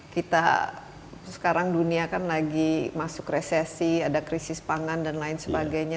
kita sekarang dunia kan lagi masuk resesi ada krisis pangan dan lain sebagainya